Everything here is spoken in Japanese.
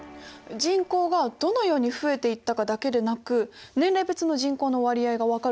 人口がどのように増えていったかだけでなく年齢別の人口の割合が分かるといいですよね。